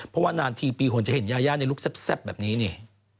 เพราะว่านานทีปีคนจะเห็นยายาในลูกแซ่บแบบนี้นี่